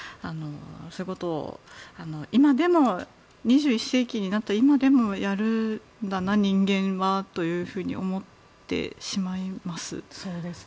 そういうことを２１世紀になった今でもやるんだな、人間はというふうに思ってしまいます。